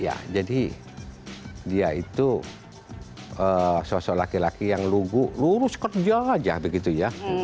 ya jadi dia itu sosok laki laki yang lugu lurus kerja aja begitu ya